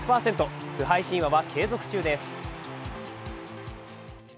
不敗神話は継続中です。